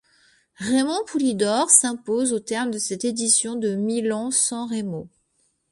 Raymond Poulidor s'impose au terme de cette édition de Milan-San Remo.